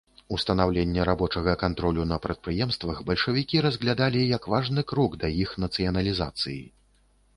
Устанаўленне рабочага кантролю на прадпрыемствах бальшавікі разглядалі як важны крок да іх нацыяналізацыі.